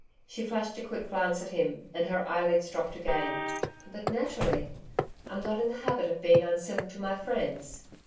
She flashed a quick glance at him, and her eyelids dropped again. 'But naturally. I'm not in the habit of being uncivil to my friends.'